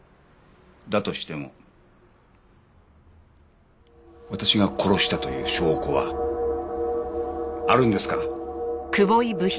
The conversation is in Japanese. だとしても私が殺したという証拠はあるんですか？